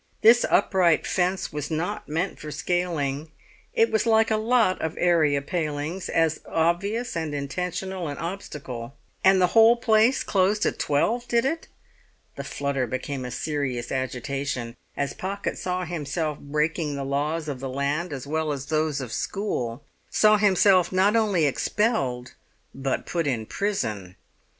This upright fence was not meant for scaling; it was like a lot of area palings, as obvious and intentional an obstacle. And the whole place closed at twelve, did it? The flutter became a serious agitation as Pocket saw himself breaking the laws of the land as well as those of school, saw himself not only expelled but put in prison!